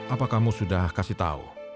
apa kamu sudah kasih tahu